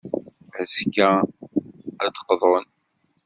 Azekka, ad d-qḍun.